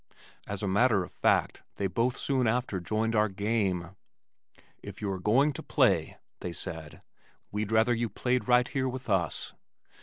As a matter of fact they both soon after joined our game. "If you are going to play," they said, "we'd rather you played right here with us."